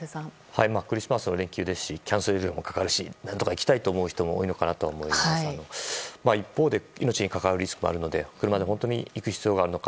クリスマスの連休ですしキャンセル料もかかるし何とか行きたいと思う人も多いのかなと思いますけど一方で命に関わるリスクがあるので車で本当に行く必要があるのか。